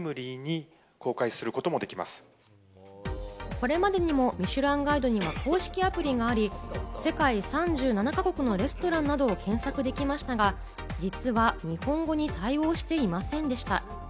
これまでにも『ミシュランガイド』には公式アプリがあり、世界３７か国のレストランなどを検索できましたが、実は日本語に対応していませんでした。